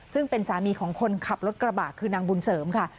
ซึ่งเป็นสามีของคนขับรถกระบะคือนางบุญเสริมค่ะ